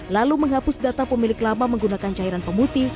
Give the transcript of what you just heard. lalu menghapus data pemilik lama menggunakan cairan pemutih